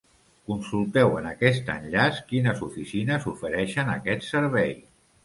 Consulteu en aquest enllaç quines oficines ofereixen aquest servei.